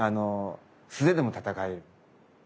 素手でも戦える。